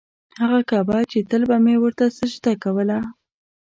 هغه کعبه چې تل به مې ورته سجده کوله.